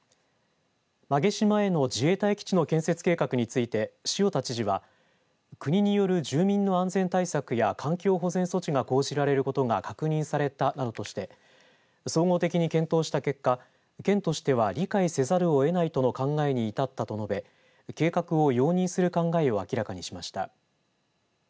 馬毛島への自衛隊基地の建設計画について塩田知事は国による住民の安全対策や環境保全措置が講じられることが確認されたなどとして総合的に検討した結果県としては理解せざるをえないとの考えに至ったと述べ計画を容認する考えを明らかにしました。